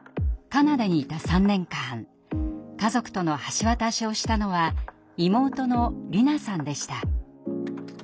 カナダにいた３年間家族との橋渡しをしたのは妹の里奈さんでした。